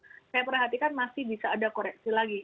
untuk perbualan saya perhatikan masih bisa ada koreksi lagi